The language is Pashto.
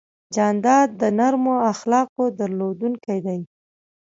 جانداد د نرمو اخلاقو درلودونکی دی.